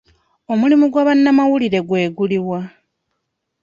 Omulimu gwa bannamawulire gwe guli wa?